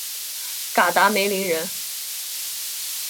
嘎达梅林人。